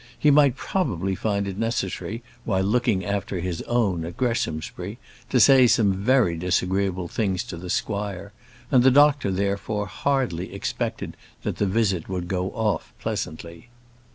He might probably find it necessary while looking after his own at Greshamsbury, to say some very disagreeable things to the squire; and the doctor, therefore, hardly expected that the visit would go off pleasantly.